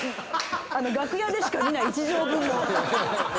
楽屋でしか見ない１畳分の。